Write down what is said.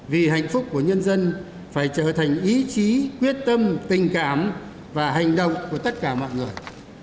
vì hạnh phúc của nhân dân phải trở thành ý chí quyết tâm tình cảm và hành động của tất cả mọi người